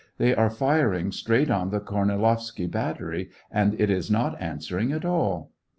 They are firing straight on the Kornilov sky battery, and it is not answering at all."